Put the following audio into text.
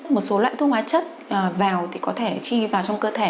một số loại thuốc hóa chất vào thì có thể khi vào trong cơ thể